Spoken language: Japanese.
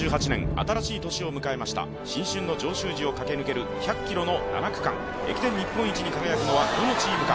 新しい年を迎えました新春の上州路を駆け抜ける１００ｋｍの７区間駅伝日本一に輝くのはどのチームか？